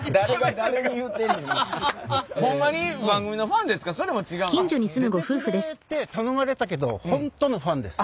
出てくれって頼まれたけど本当のファンです。